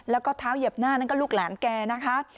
แล้วก็เท้าเหยียบหน้านั่นก็ลูกหลานแกนะคะ